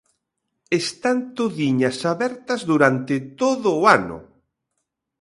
¡Están todiñas abertas durante todo o ano!